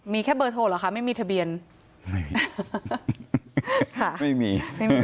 มีแค่เบอร์โทรเหรอคะไม่มีทะเบียนไม่มีไม่มี